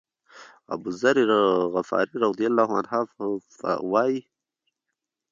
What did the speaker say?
أبوذر غفاري رضی الله عنه وایي.